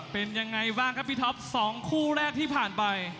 เป็นยังไงบ้างครับพี่ท็อป๒คู่แรกที่ผ่านไป